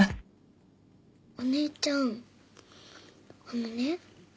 お姉ちゃんあのね